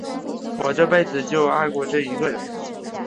我这辈子就爱过这一个人。